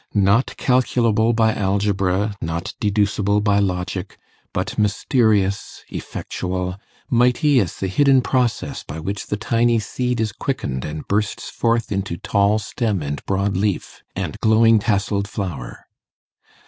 Not calculable by algebra, not deducible by logic, but mysterious, effectual, mighty as the hidden process by which the tiny seed is quickened, and bursts forth into tall stem and broad leaf, and glowing tasseled flower.